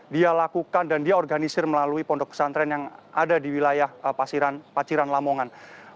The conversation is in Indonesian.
dia lakukan dan dia organisir melalui pondok pesantren yang ada di wilayah paciran lamongan